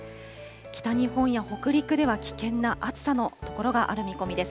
北日本や北陸では危険な暑さの所がある見込みです。